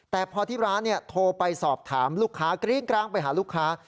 แต่พอที่ร้านโทรไปสอบถามลูกค้ากริ้งกร้างไปหาลูกค้า